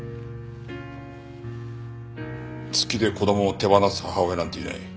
好きで子供を手放す母親なんていない。